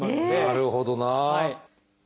なるほどな。